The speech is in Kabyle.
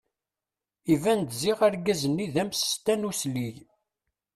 Iban-d ziɣ argaz-nni d amsestan uslig.